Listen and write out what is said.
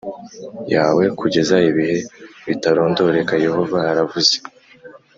Yawe Kugeza Ibihe Bitarondoreka Yehova Aravuze